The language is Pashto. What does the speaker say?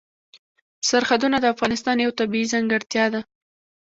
سرحدونه د افغانستان یوه طبیعي ځانګړتیا ده.